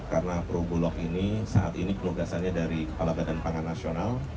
karena perum bulog ini saat ini penugasannya dari kepala badan pangan nasional